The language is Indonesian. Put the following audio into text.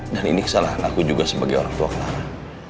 dan ini kesalahan aku juga sebagai orang tua clara